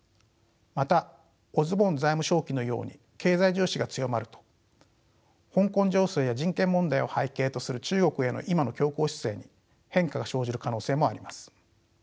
またオズボーン財務相期のように経済重視が強まると香港情勢や人権問題を背景とする中国への今の強硬姿勢に変化が生じる可能性もあります。